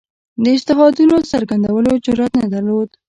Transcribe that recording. د اجتهادونو څرګندولو جرئت نه درلود